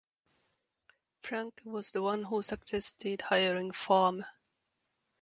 Franck was the one who suggested hiring Farmer.